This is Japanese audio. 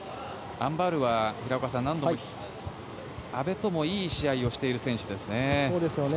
アン・バウルは平岡さん阿部ともいい試合をしている選手ですね。